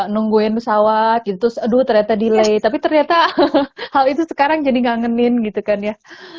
nungguin pesawat gitu aduh ternyata delay tapi ternyata hal itu sekarang jadi ngangenin gitu kan ya